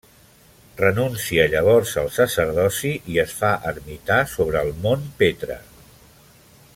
Renuncia llavors al sacerdoci i es fa ermità sobre el mont Petra.